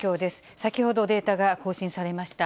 先ほどデータが更新されました。